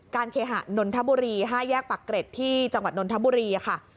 เคหะนนทบุรี๕แยกปากเกร็ดที่จังหวัดนนทบุรีค่ะ